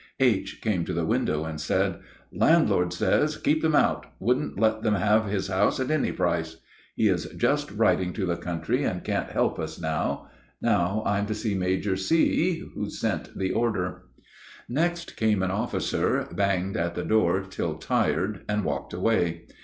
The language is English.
H. came to the window and said: "Landlord says, 'Keep them out. Wouldn't let them have his house at any price.' He is just riding to the country and can't help us now. Now I'm to see Major C., who sent the order." Next came an officer, banged at the door till tired, and walked away.